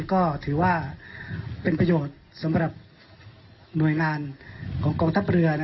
ก็ถือว่าเป็นประโยชน์สำหรับหน่วยงานของกองทัพเรือ